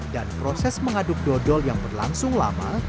dan proses mengaduk dodol yang berlangsung lama